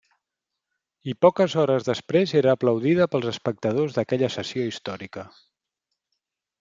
I poques hores després era aplaudida pels espectadors d'aquella sessió històrica.